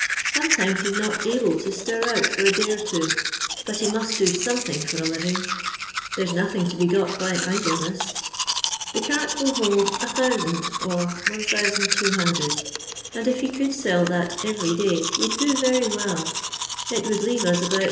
Some* times he 's not able to stir out, for a day or tws^ but he must do something for a living; there's nothing to be got by idleness. The cart will held 1000 or 1200, and if he could sell that eveiy day we 'd do yery well ; it would leave as about Zt.